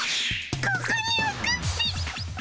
ここにおくっピ。